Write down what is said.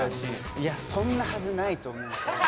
いやそんなはずないと思うんすよね